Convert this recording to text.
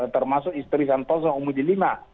termasuk istri santoso umudilima